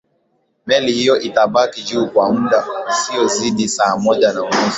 meli hiyo itabaki juu kwa muda usiozidi saa moja na nusu